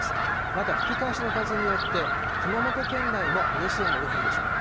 また吹き返しの風によって熊本県内も激しい雨が降るでしょう。